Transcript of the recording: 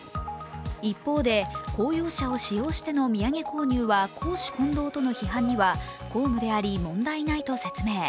一方で、公用車を使用しての土産購入は公私混同との批判には公務であり問題ないと発言。